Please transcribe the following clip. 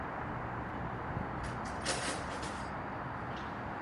V juniorské kategorii grandslamu vyhrála tři deblové soutěže.